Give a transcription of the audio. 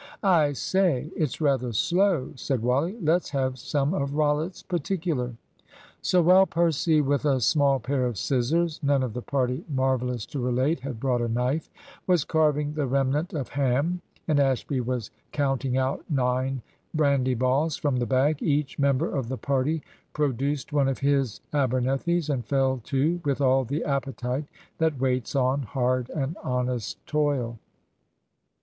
"I say, it's rather slow," said Wally; "let's have some of Rollitt's particular." So while Percy with a small pair of scissors none of the party, marvellous to relate, had brought a knife was carving the remnant of ham, and Ashby was counting out nine brandy balls from the bag, each member of the party produced one of his Abernethys, and fell to with all the appetite that waits on hard and honest toil.